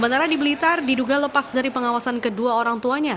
tadi blitar diduga lepas dari pengawasan kedua orang tuanya